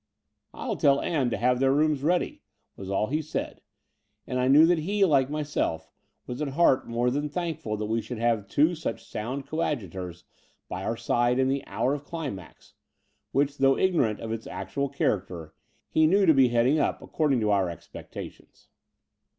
I'll tell Ann to have their rooms ready," was all he said; and I knew that he, like myself, was at heart more than thankful that we should have two such sound coadjutors by our side in the hour of climax, which, though ignorant of its actual character, he knew to be heading up according to our expectations.